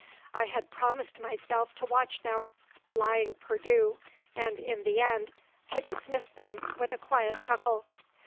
I had promised myself to watch them, lying perdu, and in the end to dismiss them with a quiet chuckle.